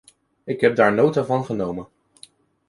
Ik heb daar nota van genomen.